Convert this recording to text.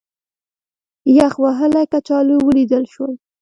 یخ وهلي کچالو ولیدل شول.